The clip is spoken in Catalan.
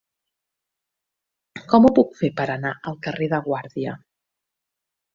Com ho puc fer per anar al carrer de Guàrdia?